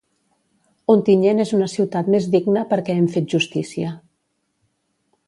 Ontinyent és una ciutat més digna perquè hem fet justícia.